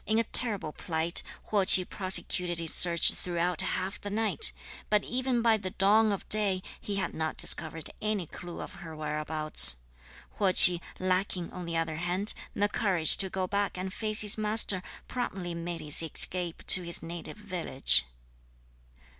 In a terrible plight, Huo Ch'i prosecuted his search throughout half the night; but even by the dawn of day, he had not discovered any clue of her whereabouts. Huo Ch'i, lacking, on the other hand, the courage to go back and face his master, promptly made his escape to his native village.